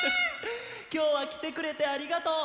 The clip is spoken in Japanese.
きょうはきてくれてありがとう！